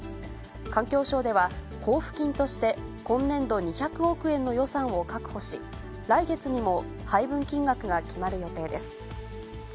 環境省では、交付金として、今年度２００億円の予算を確保し、来月にも配分金額が決まる予定です。